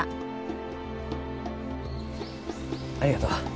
ありがとう。